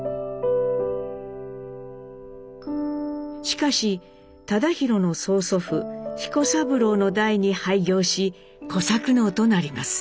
しかし忠宏の曽祖父彦三郎の代に廃業し小作農となります。